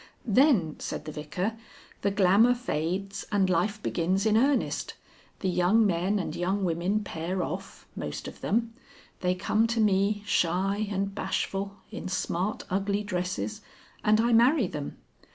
"Then," said the Vicar, "the glamour fades and life begins in earnest. The young men and young women pair off most of them. They come to me shy and bashful, in smart ugly dresses, and I marry them.